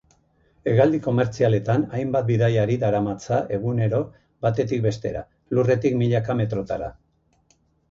Hegaldi komertzialetan hainbat bidaiari daramatza egunero batetik bestera, lurretik milaka metrotara.